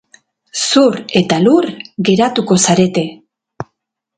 Zur eta lur geratuko zarete.